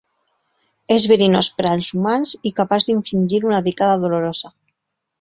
És verinós per als humans i capaç d'infligir una picada dolorosa.